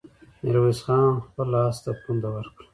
ميرويس خان خپل آس ته پونده ورکړه.